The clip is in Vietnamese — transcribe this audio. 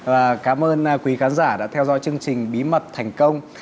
và cảm ơn quý khán giả đã theo dõi chương trình bí mật thành công